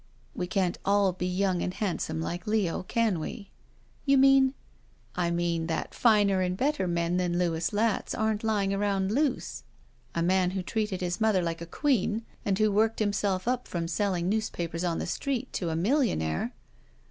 'We can't all be yotmg and handsome like Leo, can we?" "You mean—?" "I mean that finer and better men than Louis Latz aren't lying around loose. A man who treated his mother like a queen and who worked himself up from selling newspapers on the street to a million aire."